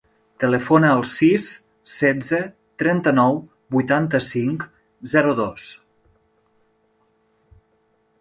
Telefona al sis, setze, trenta-nou, vuitanta-cinc, zero, dos.